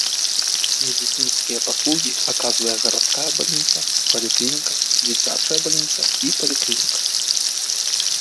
Медыцынскія паслугі аказвае гарадская бальніца, паліклініка, дзіцячыя бальніца і паліклініка.